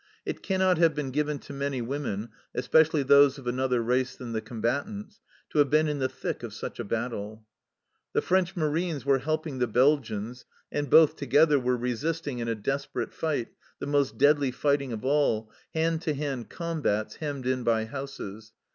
It cannot have been given to many women, especially those of another race than the combatants, to have been in the thick of such a battle. The French marines were helping the Belgians, and both together were resisting in a desperate fight, the most deadly fighting of all, hand to hand combats hemmed in by houses.